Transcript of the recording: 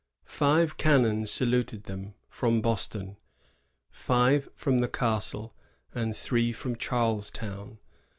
Five cannon saluted them from Boston, five from ^the Castle," and three from Charlestown.